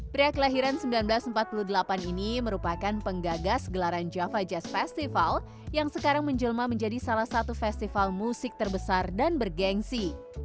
pria kelahiran seribu sembilan ratus empat puluh delapan ini merupakan penggagas gelaran java jazz festival yang sekarang menjelma menjadi salah satu festival musik terbesar dan bergensi